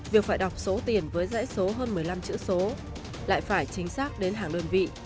việc phải đọc số tiền với dãy số hơn một mươi năm chữ số lại phải chính xác đến hàng đơn vị